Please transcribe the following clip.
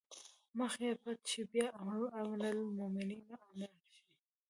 مخ يې پټ شي بيا امرالمومنين شي